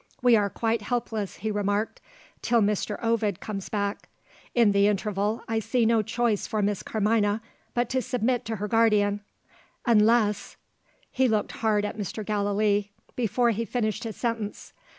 "We are quite helpless," he remarked, "till Mr. Ovid comes back. In the interval, I see no choice for Miss Carmina but to submit to her guardian; unless " He looked hard at Mr. Gallilee, before he finished his sentence.